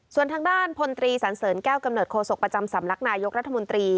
ส่วนทางด้านพลตรีสันเสริญแก้วกำเนิดโศกประจำสำนักนายกรัฐมนตรี